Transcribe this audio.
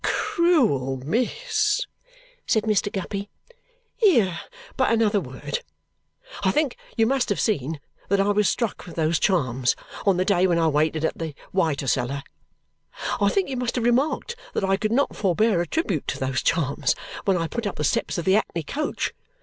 "Cruel miss," said Mr. Guppy, "hear but another word! I think you must have seen that I was struck with those charms on the day when I waited at the Whytorseller. I think you must have remarked that I could not forbear a tribute to those charms when I put up the steps of the 'ackney coach.